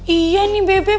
iya nih beb